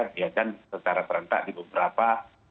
biasanya secara terentak di beberapa